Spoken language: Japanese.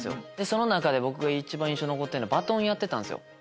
その中で一番印象残ってるのはバトンやってたんすよ。